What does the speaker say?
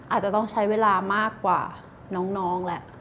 อาจจะต้องใช้เวลามากกว่าน้องแหละ